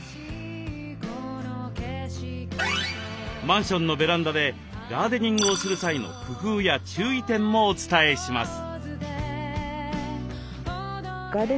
マンションのベランダでガーデニングをする際の工夫や注意点もお伝えします。